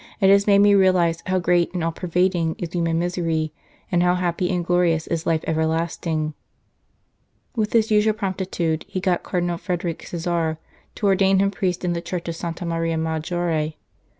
It has made me realize how great and all pervading is human misery, and how happy and glorious is life ever lasting." 20 Death of Count Frederick With his usual promptitude, he got Cardinal Frederick Cesar to ordain him priest in the Church of Santa Maria Maggiore.